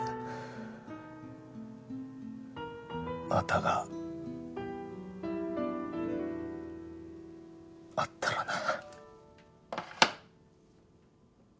「また」があったらな。